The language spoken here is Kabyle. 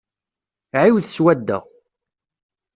Ɛiwed swadda.